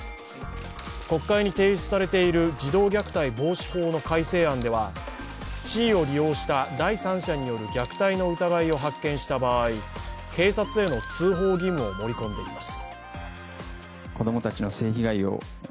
国会に提出されている児童虐待防止法の改正案では地位を利用した第三者による虐待の疑いを発見した場合、警察への通報義務を盛り込んでいます。